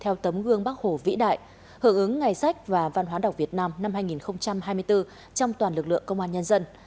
theo tấm gương bác hồ vĩ đại hưởng ứng ngày sách và văn hóa đọc việt nam năm hai nghìn hai mươi bốn trong toàn lực lượng công an nhân dân